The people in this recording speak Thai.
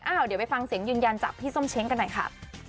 เดี๋ยวไปฟังเสียงยืนยันจากพี่ส้มเช้งกันหน่อยค่ะ